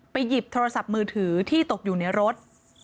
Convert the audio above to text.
หยิบโทรศัพท์มือถือที่ตกอยู่ในรถ